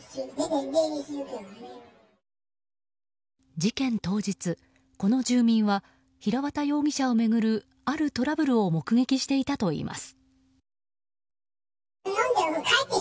事件当日、この住民は平綿容疑者を巡るあるトラブルを目撃していたといいます。